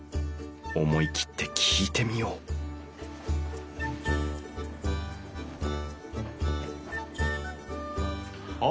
思い切って聞いてみようあ